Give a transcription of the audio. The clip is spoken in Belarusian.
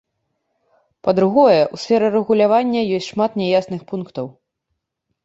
Па-другое, у сферы рэгулявання ёсць шмат няясных пунктаў.